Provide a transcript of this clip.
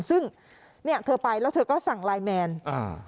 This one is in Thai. ซึ่งเนี้ยเธอไปแล้วเธอก็สั่งไลน์แมนอ่า